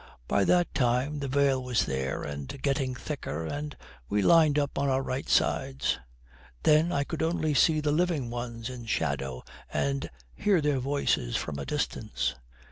By that time the veil was there, and getting thicker, and we lined up on our right sides. Then I could only see the living ones in shadow and hear their voices from a distance.